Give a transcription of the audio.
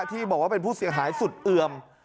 ที่บอกว่าเป็นผู้เสียหายสุดเอือม